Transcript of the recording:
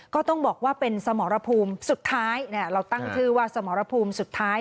ก็ต้องบอกว่าเป็นสมรภูมิสุดท้ายเราตั้งชื่อว่าสมรภูมิสุดท้าย